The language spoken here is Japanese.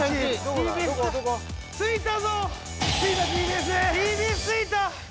ＴＢＳ着いた！